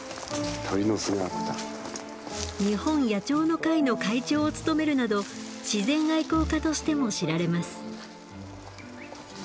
日本野鳥の会の会長を務めるなど自然愛好家としても知られます。